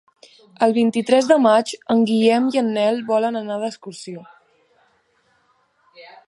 El vint-i-tres de maig en Guillem i en Nel volen anar d'excursió.